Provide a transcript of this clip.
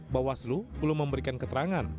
bawaslu belum memberikan keterangan